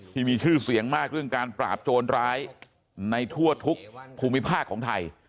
ที่มีชื่อเสียงมากเรื่องการปราบโจรร้ายในทั่วทุกภูมิภาคของไทย